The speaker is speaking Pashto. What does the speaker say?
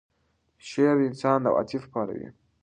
شعر د انسان عواطف پاروي.